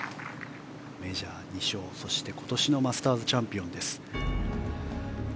メジャー２勝そして今年のマスターズチャンピオンです。